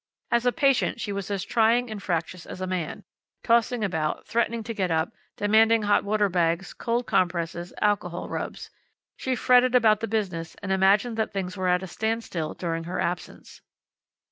As a patient she was as trying and fractious as a man, tossing about, threatening to get up, demanding hot water bags, cold compresses, alcohol rubs. She fretted about the business, and imagined that things were at a stand still during her absence.